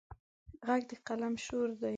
غږ د قلم شور دی